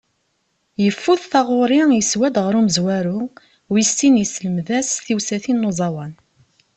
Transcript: Yeffud taγuṛi yeswa-d γer umezwaru, wis sin yesselmed-as tiwsatin n uẓawan.